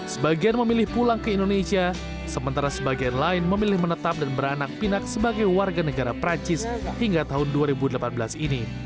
sebagian memilih pulang ke indonesia sementara sebagian lain memilih menetap dan beranak pinak sebagai warga negara perancis hingga tahun dua ribu delapan belas ini